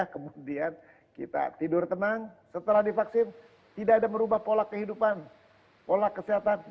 kemudian kita tidur tenang setelah divaksin tidak ada merubah pola kehidupan pola kesehatan